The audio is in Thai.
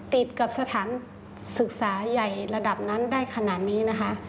ติดกับสถานศึกษาใหญ่ระดับนั้นได้ขนาดนี้นะคะ